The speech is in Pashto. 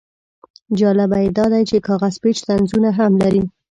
جالبه یې دا دی چې کاغذ پیچ طنزونه هم لري.